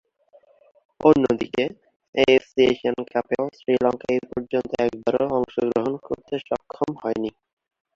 অন্যদিকে, AFC Asian কাপেও শ্রীলঙ্কা এপর্যন্ত একবারও অংশগ্রহণ করতে সক্ষম হয়নি।